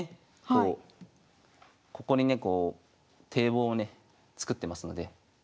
こうここにねこう堤防をね作ってますので。